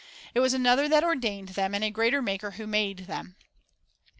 It was another that ordained them, and a greater maker who made them.